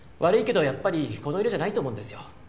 悪いけどやっぱりこの色じゃないと思うんですよ。